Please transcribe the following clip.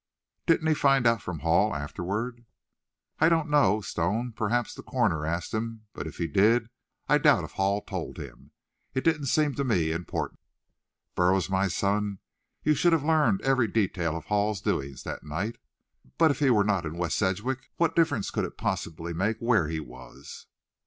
"Didn't he find out from Hall, afterward?" "I don't know, Stone; perhaps the coroner asked him, but if he did, I doubt if Hall told. It didn't seem to me important." "Burroughs, my son, you should have learned every detail of Hall's doings that night." "But if he were not in West Sedgwick, what difference could it possibly make where he was?"